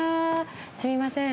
すみません。